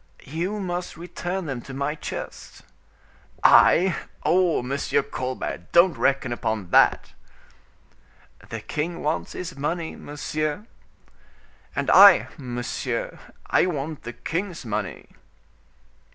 "You must return them to my chest." "I! Oh! Monsieur Colbert, don't reckon upon that." "The king wants his money, monsieur." "And I, monsieur, I want the king's money."